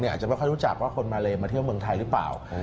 อาจจะไม่ค่อยรู้จักว่าคนมาเลมาเที่ยวเมืองไทยหรือเปล่า